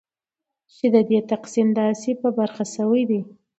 چې ددې تقسیم داسي په بره سویدي